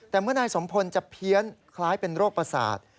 แต่เมื่อนายสมพลจะเพี้ยนคล้ายเป็นโรคประสาท